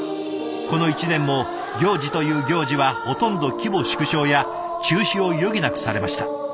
この１年も行事という行事はほとんど規模縮小や中止を余儀なくされました。